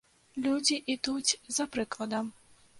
Людзі ідуць за прыкладам.